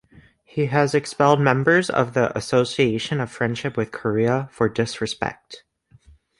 He has expelled members of the "Association of Friendship with Korea" for "disrespect".